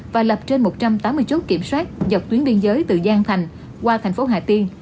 và lập trên một trăm tám mươi chốt kiểm soát dọc tuyến biên giới từ giang thành qua thành phố hà tiên